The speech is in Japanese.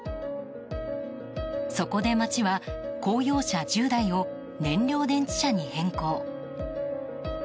そこで町は、公用車１０台を燃料電池車に変更。